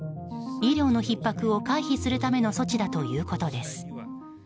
医療のひっ迫を回避するための措置だということです。